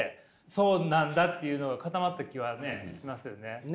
そうなんだっていうのが固まった気はねしますよね。